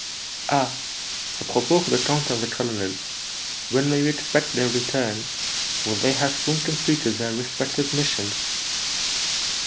"Ah, apropos of the count and the colonel, when may we expect their return? Will they have soon completed their respective missions?"